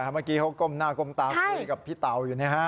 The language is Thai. เมื่อกี้เขาก้มหน้าก้มตาคุยกับพี่เต๋าอยู่นะฮะ